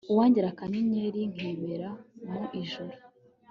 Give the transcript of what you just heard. uwangira akanyenyeri nkibera mu ijuru